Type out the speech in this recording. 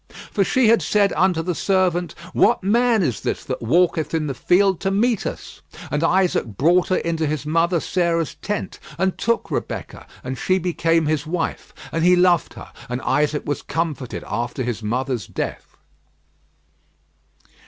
"For she had said unto the servant, What man is this that walketh in the field to meet us? "And Isaac brought her into his mother Sarah's tent, and took Rebekah, and she became his wife, and he loved her; and Isaac was comforted after his mother's death."